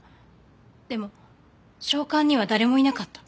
でも商管には誰もいなかった。